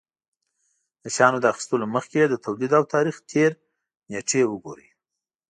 د شيانو له اخيستلو مخکې يې د توليد او تاريختېر نېټې وگورئ.